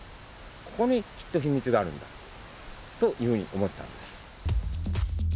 ここにきっと秘密があるんだというふうに思ったんです。